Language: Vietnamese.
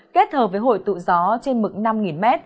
kết hợp với hội tụ gió trên mực năm m